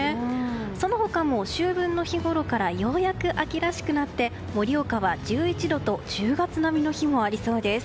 その他も秋分の日ごろからようやく秋らしくなって盛岡は１１度と１０月並みの日もありそうです。